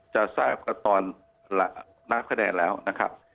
จะทราบกันตอนนับคะแนนแล้วนะครับ